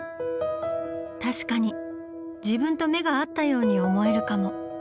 確かに自分と目が合ったように思えるかも。